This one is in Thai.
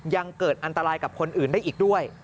ยังเกิดอันตรายกับคนอื่นได้อีกด้วย